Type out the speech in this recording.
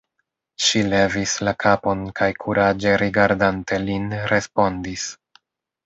Ŝi levis la kapon kaj kuraĝe rigardante lin, respondis: